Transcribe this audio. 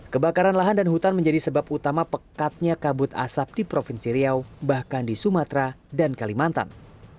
kebakaran lahan dan hutan menjadi sebab utama pekatnya kabut asap di provinsi riau bahkan di sumatera dan kalimantan